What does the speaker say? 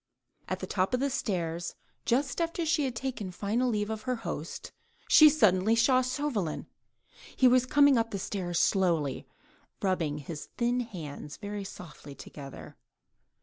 At the top of the stairs, just after she had taken final leave of her host, she suddenly saw Chauvelin; he was coming up the stairs slowly, and rubbing his thin hands very softly together.